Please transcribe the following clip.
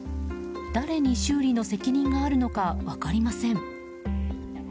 誰に修理の責任があるのか分かりません。